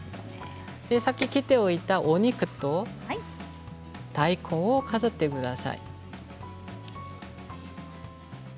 さっき切っておいたお肉と大根を飾ってください。